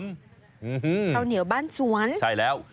ข้าวเหนียวบ้านสวนใช่แล้ว